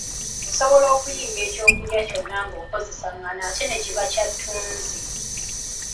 Osobola okuyiiya ekyokulya kyonna ng'okozesa ngano ate ne kiba kya ttunzi.